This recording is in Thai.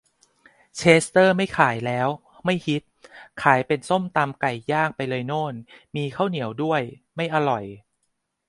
เชสเตอร์ไม่ขายแล้ว ไม่ฮิต ขายเป็นส้มตำไก่ย่างไปเลยโน่น มีข้าวเหนียวด้วย ไม่อร่อย